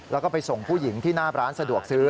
แล้วก็ไปส่งผู้หญิงที่หน้าร้านสะดวกซื้อ